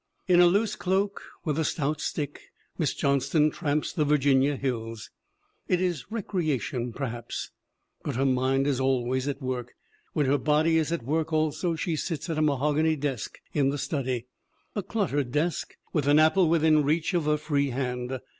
In a loose cloak, with a stout stick, Miss Johnston tramps the Virginia hills. It is recreation, perhaps, but her mind is always at work. When her body is at work also she sits at a mahogany desk in the study, a cluttered desk, with an apple within reach of her free hand.